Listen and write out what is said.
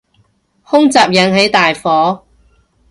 空襲引起大火